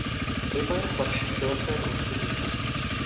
Ryba je slabší tělesné konstituce.